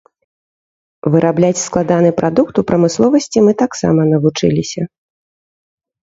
Вырабляць складаны прадукт у прамысловасці мы таксама навучыліся.